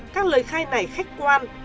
các lời khai này khách quan